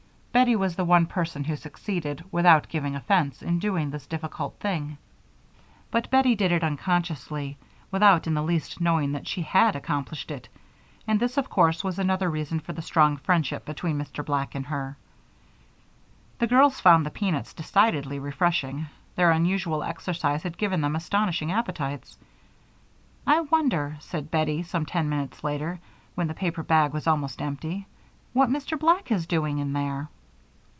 Bettie was the one person who succeeded, without giving offense, in doing this difficult thing, but Bettie did it unconsciously, without in the least knowing that she had accomplished it, and this, of course, was another reason for the strong friendship between Mr. Black and her. The girls found the peanuts decidedly refreshing; their unusual exercise had given them astonishing appetites. "I wonder," said Bettie, some ten minutes later, when the paper bag was almost empty, "what Mr. Black is doing in there."